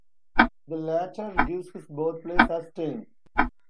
The latter gives his birthplace as Tain.